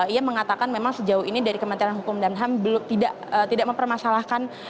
ia mengatakan memang sejauh ini dari kementerian hukum dan ham belum tidak mempermasalahkan